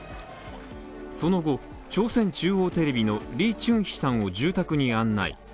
その後、朝鮮中央テレビのリ・チュンヒさんを住宅に案内。